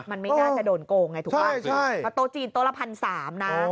มันไม่ง่าจะโดนโกงไงถูกปะใช่โต๊ะจีนโต๊ะละ๑๓๐๐นะ